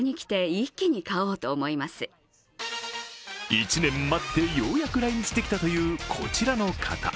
１年待って、ようやく来日できたというこちらの方。